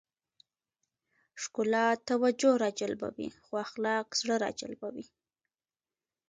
ښکلا توجه راجلبوي خو اخلاق زړه راجلبوي.